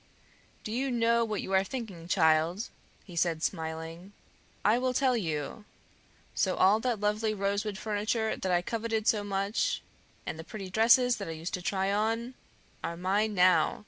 "Do you know what you are thinking, child?" he said, smiling. "I will tell you: 'So all that lovely rosewood furniture that I coveted so much, and the pretty dresses that I used to try on, are mine now!